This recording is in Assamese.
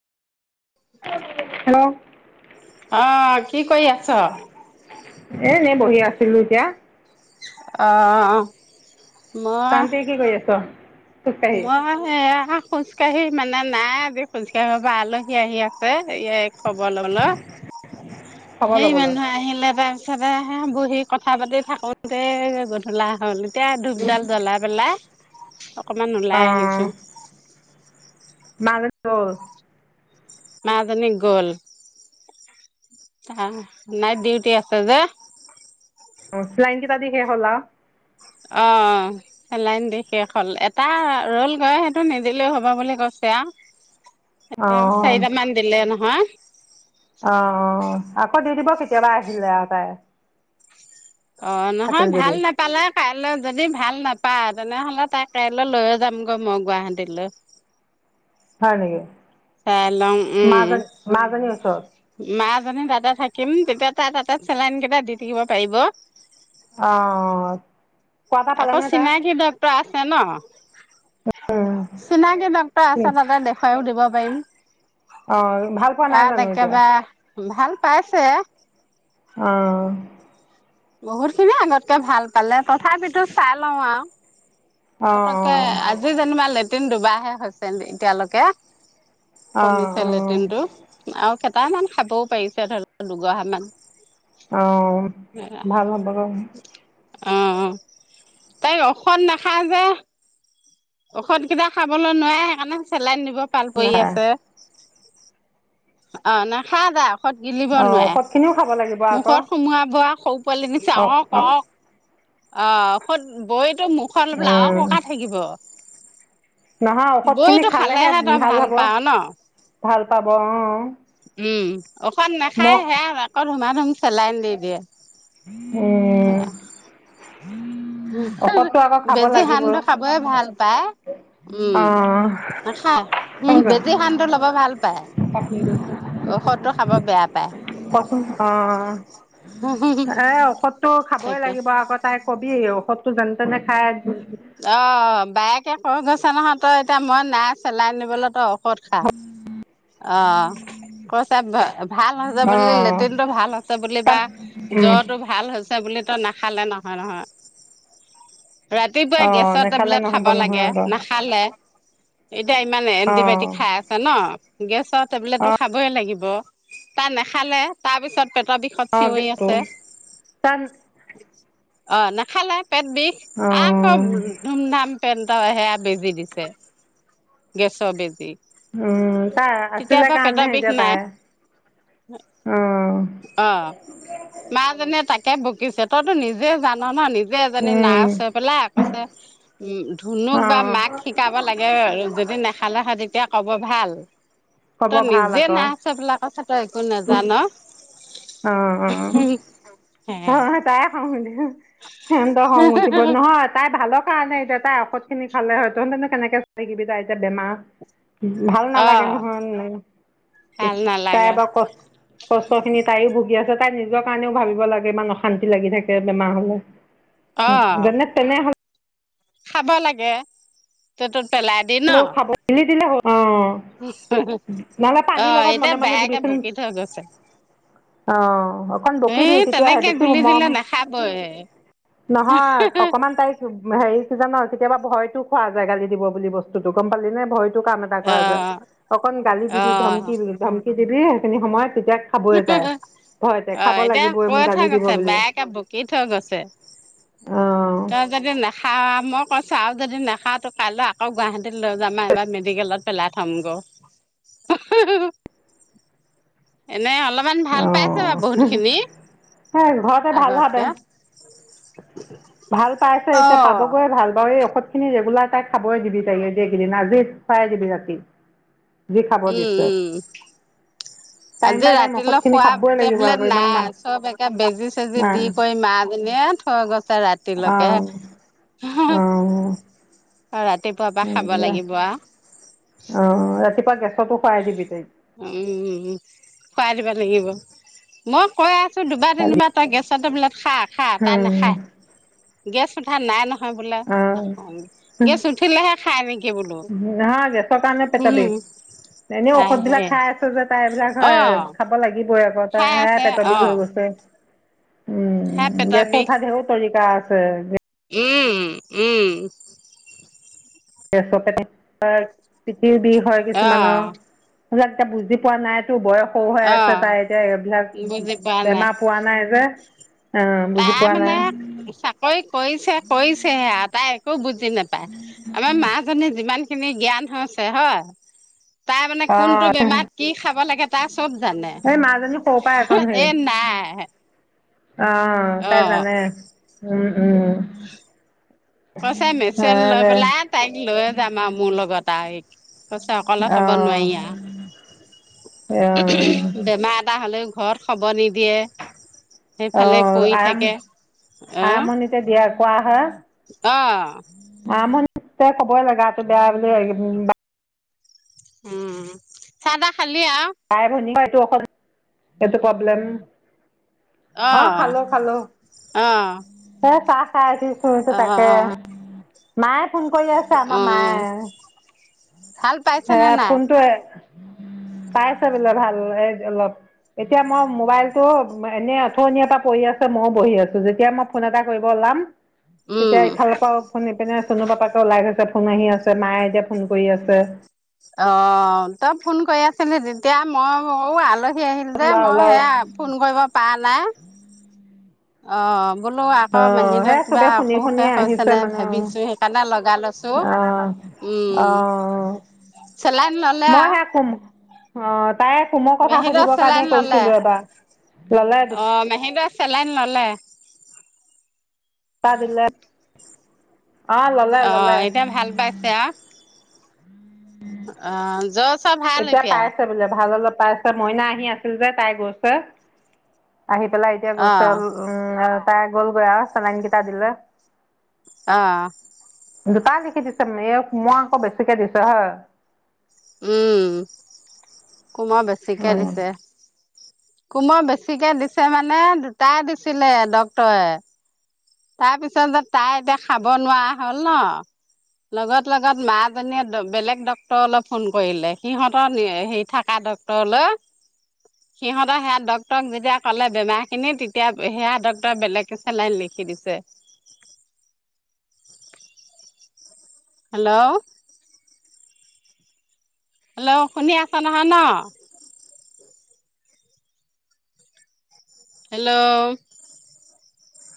হেল্ল' অ কি কৰি আছো? এ এনে বহি আছিলো এতিয়া। অ' মই তান্তে কি কৰি আছো? মই সেইয়া খোজকাাঢ়ি মানে নাই আজি খোজকাঢ়িব পৰা আলহী আহি আছে এই খবৰ লবলৈ। খবৰ সেই ল'বলৈ মানুহ আহিল এটা। তাতে হে বহি কথা পাতি থাকোঁতে গধূলা হ'ল। এতিয়া ধূপডাল জ্বলাই পেলাই অকমান অঁ ওলাই আহিছো। [unintelligible] মা জনিক গ'ল। [unintelligible] নাইট ডিউটি আছে যে। অফ লাইন কেইটা দি শেষ হ'ল আও। অ লাইন দি শেষ হল, এটা ৰল গৈ সেইটো নিদিলেও হ'ব বুলি কৈছে আৰু। অঁ চাৰিটামান দিলে নহয়। অ, অ, আকৌ দি দিব কেতিয়াবা আহিলে আৰু তাই। অ থাকিল নহয় ভাল যদি নাপালে কাইলৈ যদি যদি ভাল নাপাই তেনেহ'লে তাই কাইলৈ লৈয় যামগৈ মই গুৱাহাটীলৈ। হয় নেকি? চাই লং উম মাজনী মাজনীৰ ওচৰত মাক মানে দাদা থাকিম তেতিয়া তাই তাতে চেলাইন কেইটা দি থাকিব পাৰিব। অ'। আকৌ চিনাকি ডক্তৰ আছে ন। চিনাকি ডক্তৰ আছে তাতে দেখুৱাইও দিব পাৰিম। অ ভাল পোৱা নাই তাত জানো এতিয়া? একেবাৰে ভাল পাইছে। অ। বহুতখিনি আগতকে ভাল পালে, তথাপিতো চাই লওঁ আৰু। অঁ পতককে আজি যেনিবা লেট্ৰিন দুবাৰাহে হৈছে এতিয়ালৈকে। অঁ কমিছে অঁ লেট্ৰিনটো আৰু টামান খাবও পাৰিছে ধৰ দুগহামান। অহ ভাল হ'ব গ অ তাই ঔষধ নাখায় যে। ঔষধ কেইটা খাবলৈ নোৱাৰে সেইকাৰণে চেলাইন দিব পাল পৰি আছে। অ নাখা যা ষত গিলিব অঁ নোৱাৰে, ঔষধখিনিও খাব লাগিব আকৌ মুখত সুমোৱা-বোৱা সৰু পোৱালি নিচা অঁ অঁ অও-কক, অ খৈত-বৈ সিটো মুখৰ অলপ লাও ককা থাকিব। নহয় ঔষধখিনি বৈটো খালেহে তই ভাল হ'ব। পাৱ ন ভাল পাব অহ। উম ঔষধ নাখায় সে আৰু আকৌ ধুমা-ধুম চেলাইন দি দিয়ে। উম। ঔষধটো আকৌ খাব বেজি লাগিবই সান্টো খাবয়ে ভাল পায়, উম। অঁ খা উম বেজি খান্টো ল'ব ভাল পায়। ঔষধটো খাব বেয়া পায়। কচোন অ', এ ঔষধটো খাবই তাকে লাগিব আকৌ তাইক কবি। ঔষধটো যেন তেনে খাই অ বায়েকে কৈ গৈছে নহয় তই এতিয়া মই নাই চেলাইন নিবলৈ ত ঔষধ খা, অ। কৈছে ভ - ভাল হৈছে বুলি অঁ লেট্ৰিন টো ভাল হৈছে বুলি বা তাত জ্বৰ টো ভাল হৈছ ছে বুলি তো নাখালে নহয়-নহয় ৰা ৰাতিপুৱাই অঁ গেছৰ নেখালে টেবলেট নহ'ব খাবা নহয় লাগে আকৌ নাখালে। এতিয়া ইমান অঁ এণ্টিবায়টিক খাই আছে ন' গেছত টেবলেটটো অঁ খাবই লাগিব তাত নেখালে তাৰপিছত। দাতঁ বিষত অঁ চিঞৰি আছে। তাত অ, নাখালে পেট বিষ। আকৌ অঁ ধুম ধাম পেণ্ট সেয়া বেজি দিছে গেছৰ বেজি। উম, তাই তেতিয়াৰ আছিলে পৰা পেটৰ কাৰণেহে বিষ এতিয়া নাই বায়ে অ মাজনীয়ে তাকে। কে বকিছে তইতো নিজে জান ন, নিজে এজনী উম নাৰ্চ হৈ পেলাই কৈছে উম, ধুনুক বা অঁ মাক শিকাব লাগে যদি নেখালে হয় তেতিয়া ক'ব ভাল। ক'ব তই ভাল নিজে আকৌ নাছেহৈ পেলায় কৈছে একো নাজান। অ', অ', অ', সেয়া মইয় এটায়ে খাওঁ কিন্তু। [unintelligible] সিন্তহ খং উঠিব নহয় তাই ভালক খালা নাই এতিয়া তাই ঔষধ খিনি খালে হয়োহেঁতেন। কেনেকে চাকি দিবি তাই এতিয়া বেমাৰত ভাল অ নালাগে নহয়। ভাল তাই নালাগে এবাৰ কষ্ট, কষ্ট খিনি তাইও বু আছে তাই নিজৰ কাৰণেও ভাবিব লাগে ইমান অশান্তি লাগি থাকে বেমাৰ হ'লে। অ উম, যেনে-তেনে হ'লে খাব লাগে তেত হ'লে খাব মেলি দিলে হ'ল। অঁ নহ'লে অ পানীৰ লগত এতিয়া মনে মনে বায়েকে দিবিচোন। বকি থৈ গৈছে অহ অকন বকিবি এই তেতিয় আহে তেনেকে বেছি গুলি সোমাম। দিলে নাখাবই নহয় অকমান তাৰিখ হেৰি চিজন কেতিয়াবা ভয়তো খোৱা যায় গালি দিব বুলি বস্তুটো গম পালি নে ভয়টো। টো কাম এটা অ কৰা যায়। অকণ গালি অ দিবি, ধমকি দিবি, ধমকি দিবি সেইখিনি সময়ত। তেতিয়া খাবই যায়। অ' এতিয়া কৈ থৈ গৈছে। বায়েকে বকি থৈ গৈছে। অ' তই যদি নাখাওঁ। খা মই কৈছোঁ আৰু যদি নাখাওঁ তোক কাইলৈ আকৌ গুৱাহাটীত লৈ যাম আৰু এবাৰ মেডিকেলত পেলাই থ'মগৈ। এনে অলপমান ভাল পাইছে অ' বাৰু বহুতখিনি সেই ঘৰতে ভাল ভাবে আগতকে। ভাল পাইছে অ এতিয়া পাবগৈয়ে ভাল বাৰু এই তখিনি ৰেগুলাৰ তাইক খাবই দিবি তাই কেইদিন আজি চাই দিবি ৰাতি। যি খাব উম, দিছে উম, টাইম আজি বাই টাইম ৰাতিল' ঔষধখিনি খোৱা খাবই লাগিব টেবলেট আকৌ ইমান অঁ নাই চব একে বেজি চেজি দি কৰি মাজনীয়ে থৈ গৈছে ৰাতি লৈকে। অঁ অঁ অ' ৰাতিপুৱা পৰা খাব লাগিব আ অ' ৰাতিপুৱা গে খোৱাই দিবি তই উম খুৱাই দিব লাগিব মই কৈ দুবাৰ কালি তিনিবাৰ তই গেছ টেবলেট খা খা তাই অঁ নাখাই গেছ উঠা নাই নহয় য় বোলে গেছ উঠিলেহে খাই নেকি বোলো হম। এনে ঔষধ বিলাক খাই আছে যে তাইবিলাক অ হয় খাব লাগিবই আৰু খাই হে আছে পেতৰ অ বিষ হৈ গৈছে খাই উম পেটৰ গেছ বিষ চৌঠা দেউ তজি কা আছে, উম উম। গেছ পেট পিঠিৰ বিষ হয় অ কিছুমানৰ, সেইবিলাক এতিয়া বুজি পোৱা নাই। বয়সো হৈ অ আছে তাই এতিয়া এইবিলাক বুজি পোৱা নাই বেমাৰ পোৱা নাই যে৷ অ'। তাই মানে চাকৰি কৰিছে কৰিছেহে আৰু তাই একো বুজ নাপায়, আমাৰ মাজনী যিমান খিনি জ্ঞান হৈছে হয়৷ তাৰ মানে কোনটো অঁ বেমাৰত কি খাব লাগে তাৰ চব জানে এই মাজনী সৰু পৰাই এ নাই আহ অ তাই জানে৷উম উম। কৈছে মেচেল লৈ দে পেলাই তাইক লৈয়ে যাম আৰু মোৰ লগত আৰু পাছে অকলে থব অঁ নোৱাৰি অঁ আ৷বেমাৰ এটা হলেও ঘৰত খবৰ নিদিয়ে৷ সেইফালে অঁ পৰি আৰাম থাকে৷ অ'। আৰম্ভণিতে দিয়া কোৱা হয় অ'। [unintelligible] বেয়া বুলি উম, চা তা বাই ভনী [unintelligible] এইটো প্ৰব্লেম অ', খালোঁ অ খালোঁ৷ এ চাহ খাই উঠিছো অ [unintelligible] তাকে মায়ে ফোন কৰি আছে অ আমাৰ মায়ে, ভাল পাইছেনে সেয়া নাই ফোনটোৱে [inaudible] পাইছে বোলে ভাল এই অলপ এতিয়া মই মোবাইলটো এনে আথনিৰ পৰা পৰি আছে মইও বহি আছো৷যেতিয়া মই ফোন এটা কৰিব ল [unintelligible] উম তেতিয়া ইফালৰ পৰা ফোন ইপিনে চনু পাপাকে ওলাই গৈছে ফোন আহি আছে মায়ে এতিয়া ফোন কৰি আছে৷ অ', তই ফোন কৰি আছিলি তেতিয়া মই অ আলহ হি আহিলো যে ওলাও মই ওলাও সেয়া ফোন কৰিব পা নাই অ, বোলো অ আকৌ মেহীদক সেয়া কিবা চবে শুনি শুনি অসুখে হৈছে আহিছে নে মানে ভাবিছো সেইকাৰণে লগা লৈছো। অ উম অ'। চেলাইন ললে মই আও। সেই কোম অঁ তাই কোমৰ কথা মেহিদছ সুধিবৰ কাৰণে চেলাইন ললে কৰিছিলোঁ এবাৰ ল'লে অ, মেহিদ চেলাইন ললে। [unintelligible] অঁ ল'লে অ', ল'লে এতিয়া ভাল পাইছে আ৷ অ', য'ত এতিয়া পাইছে বোলে ভাল অলপ পাইছে মইনা আহি আছিল যে তাই গৈছে৷ আহি পেলাই এতিয়া অ গৈছে উম তাই গ'লগৈ আৰু চেলাইনকেইটা দিলে৷ অ'। দুটাই লিখি দিছে মানে এই মই আকৌ বেছিকে দিছোঁ হা উম, কুমৰ বেছিকে উম দিছে৷ কুমৰ বেছিকে দিছে মানে দুটাই দিছিলে ডক্তৰে৷ তাৰপিছত যে তাই এতিয়া খাব নোৱাৰা হ'ল ন'? লগত- লগত মাজনীয়ে বেলেগ ডক্তৰলৈ ফোন কৰিলে সিহতৰ হেৰি থাকাত ডক্তৰলৈ সিহতৰ সেয়া ডক্তৰক যেতিয়া কলে বেমাৰ খিনি তেতিয়া সেয়া ডক্তৰে বেলেগকে চেলাইন লিখি দিছে৷ [inaudible] হেল্ল', হেল্ল' শুনি আছা নহয় ন'? হেল্ল',